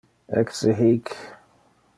Ecce hic!